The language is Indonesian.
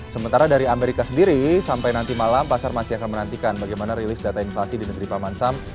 sementara dari amerika sendiri sampai nanti malam pasar masih akan menantikan bagaimana rilis data inflasi di negeri paman sam